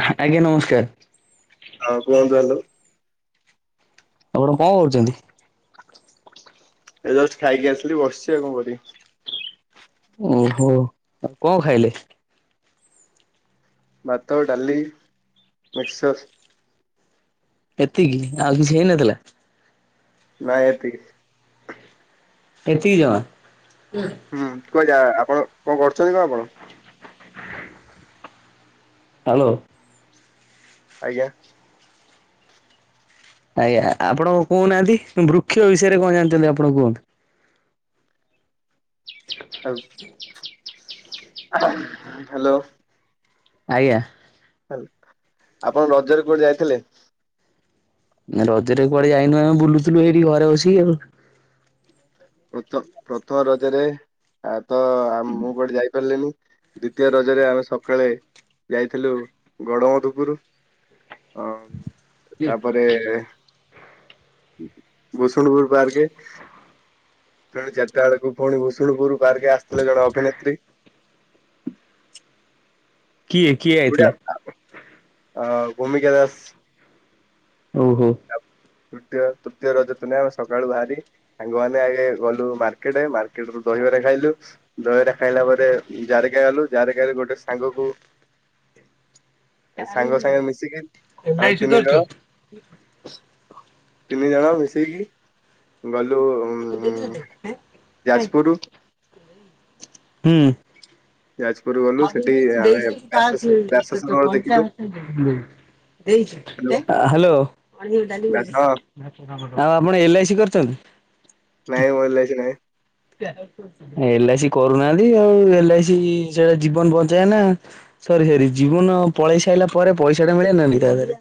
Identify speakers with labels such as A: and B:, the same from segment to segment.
A: ଆଜ୍ଞା ନମସ୍କାର
B: ହଁ କୁହନ୍ତୁ ହାଲୋ
A: ଆପଣ କଣ କରୁଛନ୍ତି?
B: ଏ ଜଷ୍ଟ ଖାଇକି ଆସଥିଲି ବସିଛି ଆଉ କଣ କରିବି।
A: ଓହୋ କ 'ଣ ଖାଇଲେ?
B: ଭାତ ଡାଲି ମିକ୍ସର୍
A: ଏତିକି ଆଉ କିଛି ହେଇନଥିଲା।
B: ନା ଏତିକି।
A: ଏତିକି ଜମା।
B: ହୁଁ କୁଆ ଯା-ଆ ଆପଣ କଣ କରୁଛନ୍ତି କଣ ଆପଣ?
A: [inaudible] ହ୍ୟାଲୋ
B: ଆଜ୍ଞା
A: ଆଜ୍ଞା ଆପଣ କହୁନାହାନ୍ତି ବୃକ୍ଷ ବିଷୟରେ କଣ ଜାଣିଛନ୍ତି ଆପଣ କୁହନ୍ତୁ?
B: ଆଉ ହ୍ୟାଲୋ
A: ଆଜ୍ଞା
B: ହାଲୋ ଆପଣ ରଜରେ କୁଆଡେ ଯାଇଥିଲେ?
A: ରଜରେ କୁଆଡେ ଯାଇନୁ ଆମେ ବୁଲୁଥିଲୁ ଏଇଠି ଘରେ ବସିକି ଆଉ।
B: ପ୍ରଥ ପ୍ରଥମ ରଜରେ ଆ ତ ଆ ମୁଁ ଗୋଟେ ଯାଇି ଗଲିନି ଦ୍ଵିତୀୟ ରଜରେ ଆମେ ସକାଳେ ଯାଇଥିଲୁ ଗଡ ମଧୁପୁରୁ ଅ ତାପରେ-ଏ ବସନ୍ତପୁର ପାର୍କେ ପୁଣି ଚାରିଟା ବେଳକୁ ପୁଣି ଭୁଷୁଣୁପୁର ବାହାରିକି ଆସିଥିଲେ ଜଣେ ଅଭିନେତ୍ରୀ।
A: କିଏ କିଏ ଆଇଥିଲା?
B: ଅ ଭୂମିକାଦାସ।
A: ଓହୋ
B: ତୃତୀୟ ତୃତୀୟ ରଜଦିନ ଆମେ ସକାଳୁ ବାହାରି ସାଙ୍ଗମାନେ ଆଗେ ଗଲୁ ମାର୍କେଟ ମାର୍କେଟରୁ ଦହିବରା ଖାଇଲୁ ଦହିବରା ଖାଇଲା ପରେ ଯାରକା ଗଲୁ ଯାରକା ରେ ଗୋଟେ ସାଙ୍ଗକୁ ଏ ସାଙ୍ଗ ସାଙ୍ଗ ମିଶିକି
A: ଏଲ ଆଇ
B: ଆମେ
A: ସି
B: ତିନି
A: କରିଛ
B: ଜଣ
A: [inaudible]
B: ତିନି ଜଣ ମିଶକି ଗଲୁ। ଉ
A: ଦେ [unintelligible]
B: ଯାଜପୁର
A: ହୁଁ
B: ଯାଜପୁର ଗଲୁ ସେଠି ଆମେ ବ୍ୟାସ ସରୋବର ଦେଖିଲୁ ହ୍ୟାଲୋ
A: [unintelligible] ହାଲୋ
B: ବ୍ୟାସ ହଁ
A: ଆପଣ ଏଲ୍ଆଇସି କରିଛନ୍ତି?
B: ନାଇଁ ମୋର କିଛି ନାଇଁ
A: ଏଲ୍ଆଇସି କରୁନାହାନ୍ତି ଆଉ ଏଲ୍ଆଇସି -ଇ ସେଟା ଜୀବନ ବଞ୍ଚାଏ ନା ସରି ସରି ଜୀବନ ପଳେଇ ସାଇଲା ପରେ ପଇସାଟା ମିଳେ ନା ତା ଧେରେ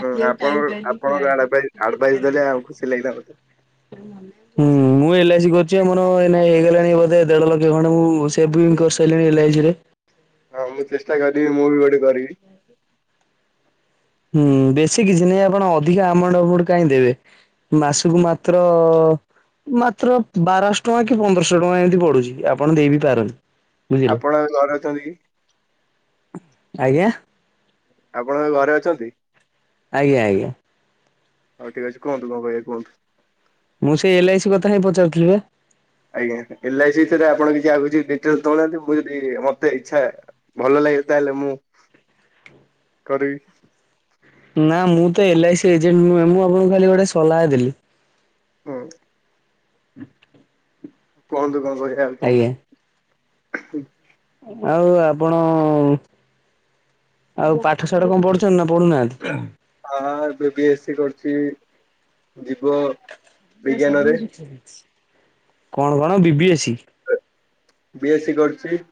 B: ହୁଁ ଆପଣଙ୍କ ଆପଣଙ୍କ ଆଡ-ଆଡଭାଇସ ଦେଲେ ଆଉ ଖୁସି ଲାଗିଲ ମତେ।
A: କରୁଚି ଆଉ ମୋର ଏଇନା ହେଇଗଲାଣି ବଧେ ଦେଢ ଲକ୍ଷ ଖଣ୍ଡେ ମୁଁ ସେଭିଙ୍ଗ କରିସାରିଲିଣି ଏଲ୍ଆଇସି ଥିରେ।
B: ହଁ ମୁଁ ଚେଷ୍ଟା କରିବି ମୁଁ ବି ଗୋଟେ କରିବି।
A: ହୁଁ ବେଶୀ କିଛି ନାଇଁ ଆପଣ ଅଧିକା ଆମାଉଣ୍ଟ ଆମଉଣ୍ଟ କାହିଁ ଦେବେ ମାସକୁ ମାତ୍ର ମାତ୍ର ବାରଶହ ଟଙ୍କା କି ପନ୍ଦରଶହ ଟଙ୍କା ଏମିତି ପଡୁଛି ଆପଣ ଦେଇ ବିି ପାରନ୍ତି। ବୁଝିଲେ
B: ଆପଣ ଘରେ ଅଛନ୍ତି କି?
A: ଆଜ୍ଞା
B: ଆପଣଙ୍କ ଘରେ ଅଛନ୍ତି?
A: ଆଜ୍ଞା ଆଜ୍ଞା
B: ହଉ ଠିକ ଅଛି କୁହନ୍ତୁ କଣ କହିବା କୁହନ୍ତୁ।
A: ମୁଁ ସେଇ ଏଲଆଇସି କଥା ହିଁ ପଚାରୁଥିଲି ବା
B: ଆଜ୍ଞା ଏଲ ଆଇ ସିରେ ଆପଣ କିଛି ଆଉ କିଛି ଡିଟେଲ ଦଉନାହାନ୍ତି ମୁଁ ଯଦି ମତେ ଇଚ୍ଛା ଭଲ ଲାଗିବ ତାହେଲେ ମୁଁ କରିବି।
A: ନା ମୁଁ ତ ଏଲଆଇସି ଏଜେଣ୍ଟ ନୁହେଁ ମୁଁ ଆପଣଙ୍କୁ ଖାଲି ଗୋଟେ ସଲାହା ଦେଲି।
B: ହଁ।
A: [inaudible]
B: କୁହନ୍ତୁ। କଣ କହିବା ଆଉ
A: ଆଜ୍ଞା
B: କୁହନ୍ତୁ। [unintelligible]
A: ଆଉ ଆପଣ ଆଉ ପାଠ ଶାଠ କଣ ପଢୁଚନ୍ତି ନା ପଢ଼ୁନାହାନ୍ତି?
B: ହଁ ହଁ ଏବେ ବି ଏ ସି କରୁଚି। ଯିବ
A: ଯା ସବୁ କିଛି ଠିକ୍ ଅଛି। କଣ କଣ ବିି ବି A C?
B: B A C କରିଚି।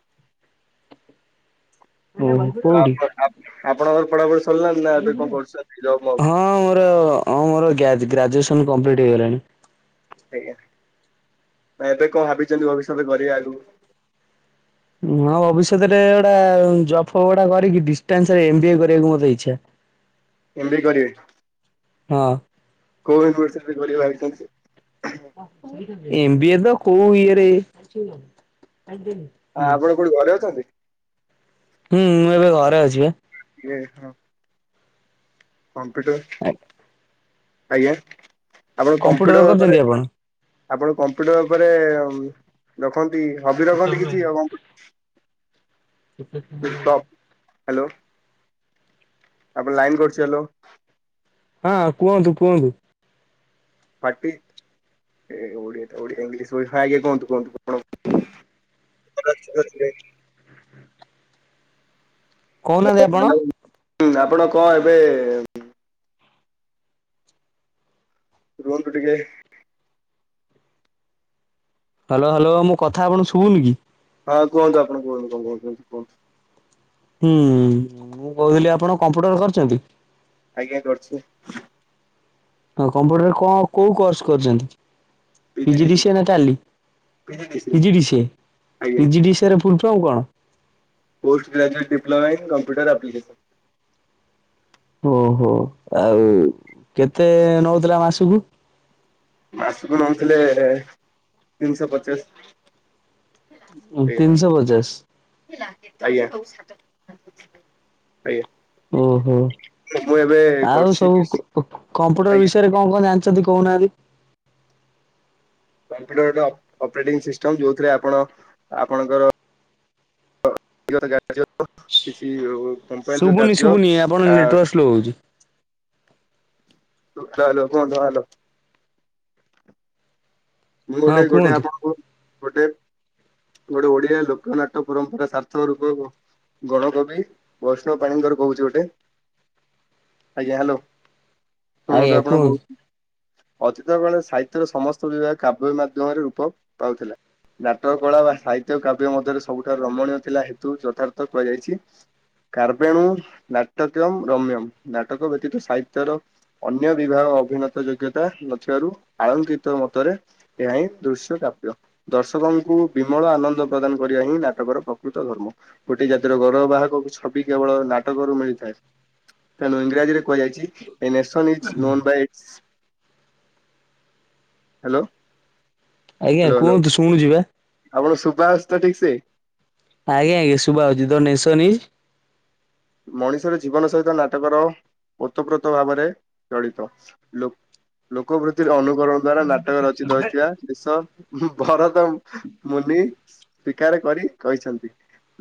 A: ଓହୋ, କୋଉଠି?
B: ଆପଣଙ୍କର ପଢାପଢି ସରିଲାଣି ନା ଏବେ କଣ
A: [unintelligible]
B: କରୁଛନ୍ତି ଜବ୍ ମବ୍?
A: ହଁ ମୋର ହଁ ମୋର ଗା ଗ୍ରାଜୁଏସନ କମ୍ପ୍ଲିଟ୍ ହେଇଗଲାଣି।
B: ଆଜ୍ଞା। ଆ ଏବେ କଣ ଭାବିଚନ୍ତି ଭବିଷ୍ୟତ କରିବେ ଆଗକୁ?
A: ନୂଆ ଭବିଷ୍ୟତଟା ଏଟା ଜବ୍ ଫବ ଗୁଡାକ ବାହାରିକି ଡିାଟାନ୍ସରେ ଏମ୍ ବି ଏ କରିବାକୁ ମୋର ଇଚ୍ଛା।
B: ଏମ ବି ଏ କରିବେ?
A: ହଁ।
B: କୋଉ ଇଉନିଭରସିଟିରେ କରିବେ ଭାବିଚନ୍ତି?
A: ଏମ ବିି ଏ ତ କଉ ଇଏରେ [unintelligible]
B: ହଁ ଆପଣ କୋଉଠି ଘରେ ଅଛନ୍ତି?
A: ହୁଁ। ମୁଁ ଏବେ ଘରେ ଅଛିିବା ।
B: ଏ ହଁ । କମ୍ପ୍ୟୁଟର ଆଜ୍ଞା। ଆପଣ
A: କମ୍ପ୍ୟୁଟର
B: ଉପରେ
A: କରିଚନ୍ତି ଆପଣ?
B: ଆପଣ କମ୍ପ୍ୟୁଟର ଉପରେ ରଖ ହବି ରଖନ୍ତି କିଛି? ଆଉ କମ୍ପ୍ୟୁ
A: [unintelligible]
B: ହାଲୋ। ଆପଣ ଲାଇନ କଟୁଛି ହେଲୋ।
A: ହଁ। କୁହନ୍ତୁ, କୁହନ୍ତୁ।
B: ପାଟି, ଏ ଓଡିଆଟା ଓଡିଆ ଇଂଲିଶ ପ ଆଜ୍ଞା କୁହନ୍ତୁ କୁହନ୍ତୁ କଣ? [unintelligible]
A: କହୁନାହାନ୍ତି ଆପଣ?
B: ହୁଁ ଆପଣ କଣ ଏବେ ରୁହନନ୍ତୁ ଟିକେ।
A: Hello hello. ମୋ କଥା ଆପଣଙ୍କୁ ଶୁଭୁନି କି?
B: ହଁ କୁହନ୍ତୁ, ଆପଣ କୁହନ୍ତୁ କଣ କହୁଚ କୁହନ୍ତୁ କୁହନ୍ତୁ।
A: ହୁଁ, ମୁଁ କହିଲି ଆପଣ କମ୍ପ୍ୟୁଟର କରଚନ୍ତି?
B: ଆଜ୍ଞା। କରିଚି।
A: ହଁ, କମ୍ପ୍ୟୁଟରରେ କଣ କୋଉ କୋର୍ସ କରିଚନ୍ତି?
B: ପିଜିଡିସିଏ ପିଜିଡିସିଏ ଆଜ୍ଞା
A: [unintelligible] ପୁଲସମ କଣ?
B: Post graduate diploma in computer application.
A: ଓହୋ ଆଉ କେତେ ନଉଥିଲା ମାସ ଵୁ
B: ମାସକୁ ନଉଥିଲେ ତିନିଶହ ପଚାଶ
A: ତିନିଶହ ପଚାଶ
B: ଆଜ୍ଞା [inaudible]
A: ଓହୋ
B: ମୁଁ ଏବେ
A: ଆଉ
B: କରୁଛି
A: ସବୁ
B: ଆଜ୍ଞା
A: କମ୍ପୁଟର ବିଷୟରେ କଣ କଣ ଯାଆ ଯାନ୍ତି କହୁନାହାନ୍ତି?
B: କମ୍ପୁଟରୋଟ ଅପରେଟିଂ ସିଷ୍ଟମ ଯୋଉଥିରେ ଆପଣ ଆପଣଙ୍କର [unintelligible]
A: ଶୁଭୁନି
B: କାର୍ଯ୍ୟ
A: ଶୁଭୁନି ଆପଣ
B: ଆ
A: ନେଟୱାର୍କ ସ୍ଲୋ ହୋଉଛି।
B: [unintelligible] ମୁଁ
A: ହଁ
B: ଗୋଟେ ଗୋଟେ
A: କୁହନ୍ତୁ
B: ଆପଣଙ୍କୁ ଗୋଟେ ଗୋଟେ ଓଡିଆ ଲୋକ ନାଟ୍ୟ ପରମ୍ପରା ସାର୍ଥକ ରୂପ ଗଣକବି ବୈଷ୍ଣବ ପାଣିଙ୍କର କହୁଛି ଗୋଟେ ଆଜ୍ଞା ହ୍ୟାଲୋ
A: ଆଜ୍ଞା
B: ଶୁଣନ୍ତୁ ଆପଣଙ୍କୁ
A: କୁହନ୍ତୁ।
B: ଅତୀତ କଳେ ସାହିତ୍ୟର ସମସ୍ତ ବିଭାଗ କାବ୍ୟ ମାଧ୍ୟମରେ ରୂପ ପାଉଥିଲା ନାଟକ କଳା ବା ସାହିତ୍ୟ କାବ୍ୟ ମଧ୍ୟରେ ସବୁଠାରୁ ରମଣୀୟ ଥିଲା ହେତୁ ଯଥାର୍ଥ କୁହାଯାଇଛି କାର୍ବେଣୁ ନାଟକ୍ୟମ୍ ରମ୍ୟମ୍ ନାଟକ ବ୍ୟତୀତ ସାହିତ୍ୟର ଅନ୍ୟ ବିଭାଗ ଅଭିନତ ଯୋଗ୍ୟତା ନଥିବାରୁ ଆଳଙ୍କିତ ମତରେ ଏହା ହିଁ ଦୃଶ୍ୟ କାବ୍ୟ। ଦର୍ଶକଙ୍କୁ ବିମଳ ଆନନ୍ଦ ପ୍ରଦାନ କରିବା ହିଁ ନାଟକର ପ୍ରକୃତ ଧର୍ମ ଗୋଟେ ଜାତିର ଗୌରବବାହକ ଛବି କେବଳ ନାଟକରୁ ମିଳିଥାଏ। ତେଣୁ ଇଂରାଜୀରେ କୁହାଯାଇଛି। A nation is known by its hello
A: ଆଜ୍ଞା
B: ହ୍ୟାଲୋ ହ୍ୟାଲୋ
A: କୁହନ୍ତୁ ଶୁଣୁଛି ବା
B: ଆପଣ ସୁବା ହୋଉଛି ତ ଠିକ ସେ?
A: ଆଜ୍ଞା ଆଜ୍ଞା ଶୁଭା ହଉଛି ଦ ନେସନି ଇଜ
B: ମଣିଷର ଜୀବନ ସହିତ ନାଟକର ଓତପ୍ରୋତ ଭାବରେ ଜଳିତ ଲ ଲୋକୃ ଅନୁକରଣ ଦ୍ଵାରା ନାଟକ ରଚିତ ହୋଇଥିବା ଦେଶ ଭରତ ମୁନି ସ୍ୱୀକାର କରି କହିଛନ୍ତି।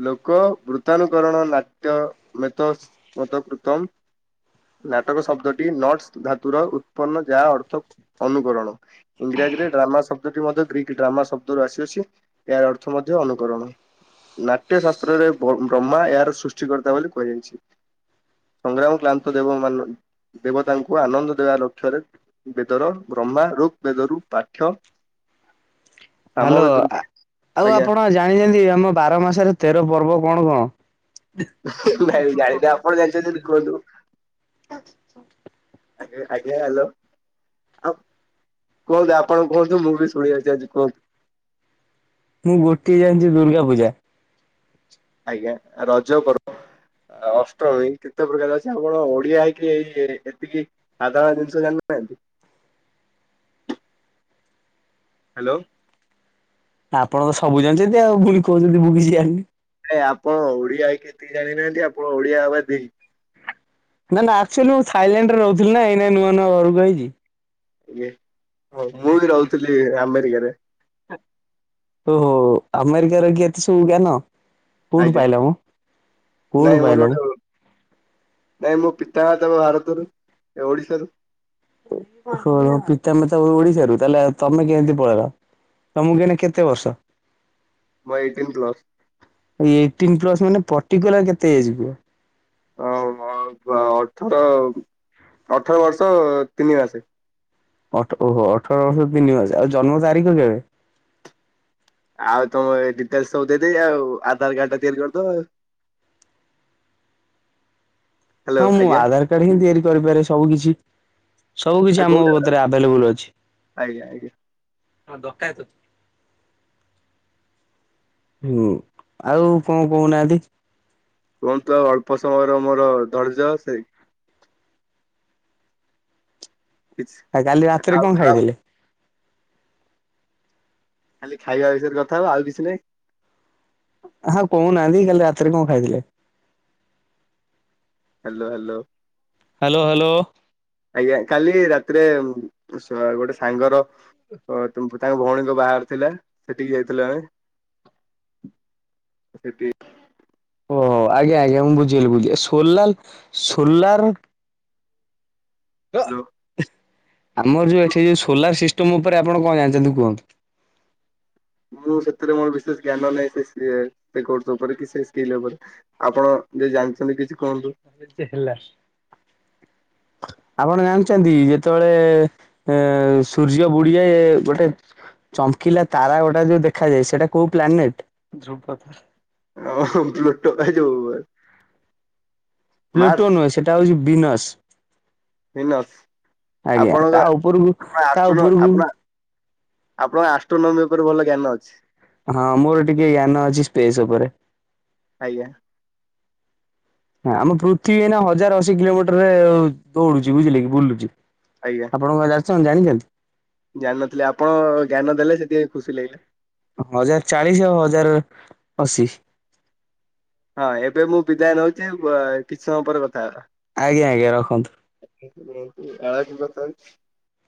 B: ଲୋକ ବୃତାନୁକରଣ ନାଟ୍ୟ ମ କୃତମ ନାଟକ ଶବ୍ଦଟି ନଟ ଧାତୁର ଉତ୍ପନ୍ନ ଯାହା ଅର୍ଥ ଅନୁକରଣ। ଇଂରାଜୀରେ ଡ୍ରାମା ଶବ୍ଦଟି ମଧ୍ୟ ଗ୍ରୀକ୍ ଡ୍ରାମା ଶବ୍ଦରୁ ଆସିଅଛି। ଏହାର ଅର୍ଥ ମଧ୍ୟ ଅନୁକରଣ ନାଟ୍ୟ ଶାସ୍ତ୍ରରେ ବ୍ରହ୍ମା ଏହାର ସୃଷ୍ଟଟିିକର୍ତ୍ତା ବୋଲି କୁହାଯାଇଛି। ସଂଗ୍ରାମ କ୍ଲାନ୍ତ ଦେବ ମ ଦେବତାଙ୍କୁ ଆନନ୍ଦ ଦେବା ଲକ୍ଷ୍ୟରେ ବେଦର ବ୍ରହ୍ମା ରୋଗ ବେଦରୁ ପାଠ୍ୟ ସାମ
A: ହ୍ୟାଲୋ
B: ବେଦରୁ
A: ଆଉ
B: ଆଜ୍ଞା
A: ଆପଣ ଜାଣିଛନ୍ତି ଆମ ବାର ମାସରେ ତେର ପର୍ବ କଣ କଣ?
B: ନାଇଁ ଜାଣିନି ଆପଣ ଜାଣିଛନ୍ତି ଯଦି କୁହନ୍ତୁ ଆଜ୍ଞା ଆଜ୍ଞା ହ୍ୟାଲୋ ଆଉ କୁହନ୍ତୁ ଆପଣ କୁହନ୍ତୁ ମୁଁ ବି ଶୁଣିବାକୁ ଚାହୁଁଚି କୁହନ୍ତୁ।
A: ମୁଁ ଗୋଟିଏ ଜାଣିଛି ଦୁର୍ଗା ପୂଜା।
B: ଆଜ୍ଞା ରଜପର୍ବ ଅଷ୍ଟମୀ କେତେ ପ୍ରକାର ଅଛି ଆପଣ ଓଡିଆ ହେଇକି ଏଇ ଏତିକି ସାଧାରଣ ଜିନିଷ ଜାଣିନଥାନ୍ତି। ହ୍ୟାଲୋ
A: ଆପଣ ତ ସବୁ ଜାଣିଛନ୍ତି ଆଉ ପୁଣି କହୁଛନ୍ତିି ମୁ କିଛି ଜାଣିନି।
B: ନା ଆପଣ ଓଡିଆ ହେଇକି ଏତିକି ଜାଣିନାହାନ୍ତି ଆପଣ ଓଡିଆ ହବା ଧିକ୍।
A: ନା ନା ଆ ଆକଚୁଆଲି ମୁଁ ଥାଇଲାଣ୍ଡରେ ରହୁଥିଲି ନା ଏଇନା ନୂଆ ନୂଆ ଘରକୁ ଆଇଛି।
B: [inaudible] ହ ମୁଁ ବି ରହୁଥିଲି ଆମେରିକାରେ। [unintelligible]
A: ଓହୋ ଆମେରିକା ରେ ରହି କି ଏତେ ସବୁ ଜ୍ଞାନ। କୋଉଠୁ
B: ଆଜ୍ଞା
A: ପାଇଲ ମ କୋଉଠୁ
B: ନାଇଁ
A: ପାଇଲ
B: ମୋର
A: ମ?
B: ନାଇଁ ମୁଁ ପି [inaudible] ଭାରତରୁ ଓଡିଶାରୁ।
A: ପିତାମାତା ଓଡିଶାରୁ ତାହେଲେ ତମେ କେମିତି ପଳେଇଲ ତମକୁ ଏଇନା କେତେ ବର୍ଷ?
B: ମୁଁ ଏଇଟିନ୍ ପ୍ଲସ୍।
A: ଏଇଟିନ୍ ପ୍ଲସ୍ ମାନେ ପର୍ଟିକୁଲାର କେତେ ଏଜ କୁହ।
B: ଅ ଅ ଅଠର ଅଠର ବର୍ଷ ତିନି ମାସେ।
A: ଅଠ ଓହୋ ଅଠର ବର୍ଷ ତିନମାସ ଆଉ ଜନ୍ମ ତାରିଖ କେବେ?
B: ଆଉ ତମ ଡିଟେଲସ ସବୁ ଦେଇଦେଇ ଆଉ ଆଧାର କାର୍ଡ ଟା ତିଆରି କରିଦବ ଆଉ। ହ୍ୟାଲୋ
A: ହଁ ମୁଁ
B: ଆଜ୍ଞା
A: ଆଧାର କାର୍ଡ ହିଁ ତିଆରି କରିପାରେ। ସବୁ କିଛି [unintelligible] ସବୁ କିଛି
B: ଆଉ
A: ଆମ
B: କୋଉଠି
A: କତିରେ ଆଭେଲେବୁଲ ଅଛି।
B: ଆଜ୍ଞା ଆଜ୍ଞା
A: ଡକାୟତ ତୁ। ହୁଁ ଆଉ କଣ କହୁନାହାନ୍ତି।
B: କୁହନ୍ତୁ ଆଉ ଅଳ୍ପ ସମୟର ମୋର ଧର୍ଯ୍ୟ ସେ କିଛି
A: ଆଉ କାଲି ରାତିରେ
B: ଆଉ
A: କଣ
B: ଆଉ
A: ଖାଇଥିଲେ?
B: ଖାଲି ଖାଇବା ବିଷୟରେ କଥା ହବ ଆଉ କିଛି ନାହିଁ।
A: ହଁ କହୁନାହାନ୍ତି କାଲି ରାତିରେ କଣ ଖାଇଥିଲେ।
B: Hello hello.
A: Hello hello.
B: ଆଜ୍ଞା କାଲି ରାତିରେ ଗୋଟେ ସାଙ୍ଗର ତାଙ୍କ ଭଉଣୀଙ୍କ ବାହାରେ ଥିଲା ସେଠିକି ଯାଇଥିଲୁ ଆମେ ସେଠି
A: ଓହୋ ଆଜ୍ଞା ଆଜ୍ଞା ମୁଁ ବୁଝିଗଲି ବୁଝିଲି ସୋଲାଲ ସୋଲାର
B: ହ୍ୟାଲୋ
A: ଆମର ଯୋଉ ଏଠି ଯୋଉ ସୋଲାର ସିସ୍ [inaudible] ଉପରେ ଆପଣ କଣ ଜାଣିଛନ୍ତି କୁହନ୍ତୁ।
B: ମୁଁ ସେଥିରେ ମୋର ବିଶେଷ ଜ୍ଞାନ ନାହିଁ ସେ ସି କୋର୍ସ ଉପରେ କି ସେ ସ୍କିଲ ଉପରେ ଆପଣ ଯଦି ଜାଣିଛନ୍ତି କିଛି କୁହନ୍ତୁ।
A: ହେଲା ଆପଣ ଜାଣିଛନ୍ତି ଯେତେବେଳେ ସୂର୍ଯ୍ୟ ବୁଡିଯାଏ ଗୋଟେ ଚମକିଲା ତାରା ଗୋଟେ ଯୋଉ ଦେଖାଯାଏ ସେଟା କୋଉ ପ୍ଲାନେଟ? ଦୃବତାରା।
B: [unintelligible]
A: ପ୍ଲୁଟୋ
B: ମାର୍ସ
A: ନୁହେ ସେଟା ହଉଛି ବିନସ୍।
B: ଭିନସ୍
A: ଆଜ୍ଞା
B: ଆପଣଙ୍କ
A: ତା ଉପରକୁ
B: ଆପଣ
A: ତା
B: ଆଷ୍ଟ୍ରୋନ
A: ଉପରକୁ
B: ଆପଣ ଆପଣଙ୍କ ଆଷ୍ଟ୍ରୋନୋମି ଉପରେ ଭଲ ଜ୍ଞାନ ଅଛି।
A: ହଁ ମୋର ଟିକେ ଜ୍ଞାନ ଅଛି ସ୍ପେସ୍ ଉପରେ।
B: ଆଜ୍ଞା
A: ହଁ ଆମ ପୃଥିବୀ ଏନା ହଜାର ଅଶୀ କିଲୋମିଟର ରେ ଦୌଡୁଛି ବୁଝିଲେ କି ବୁଲୁଚି।
B: ଆଜ୍ଞା
A: ଆପଣଙ୍କୁ ତମ୍ ଜାଣିଚନ୍ତି।
B: ଜାଣିନଥିଲି ଆପଣ ଜ୍ଞାନ ଦେଲେ ସେଥିି ପାଇଁ ଖୁସି ଲାଗିଲା।
A: ହଜାର ଚାଳିଶି ଆଉ ହଜାର ଅଶି।
B: ହଁ ଏବେ ମୁଁ ବିଦାୟ ନଉଚି ବ କିଛି ସମୟ ପରେ କଥା ହେବା।
A: ଆଜ୍ଞା ଆଜ୍ଞା ରଖନ୍ତୁ।
B: [unintelligible]